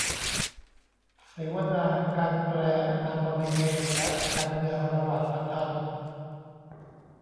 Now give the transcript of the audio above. เสวนา "การแปล อาณาบริเวณ และการเมืองระหว่างบรรทัด"